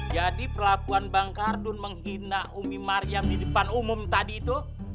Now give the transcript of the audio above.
jadi perlakuan bang mekardun menghina umi mariam di depan umum tadi itu